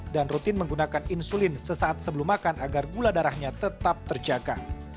rutin menggunakan insulin sesaat sebelum makan agar gula darahnya tetap terjaga